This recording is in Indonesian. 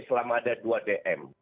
selama ada dua dm